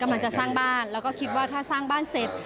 กำลังจะสร้างบ้านแล้วก็คิดว่าถ้าสร้างบ้านเสร็จ